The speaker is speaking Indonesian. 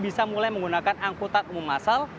bisa mulai menggunakan angkutan umum masal